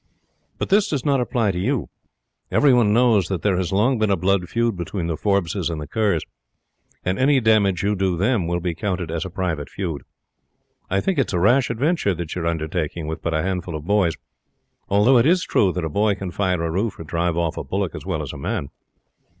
But this does not apply to you. Everyone knows that there has long been a blood feud between the Forbeses and the Kerrs, and any damage you may do them will be counted as a private feud. I think it is a rash adventure that you are undertaking with but a handful of boys, although it is true that a boy can fire a roof or drive off a bullock as well as a man.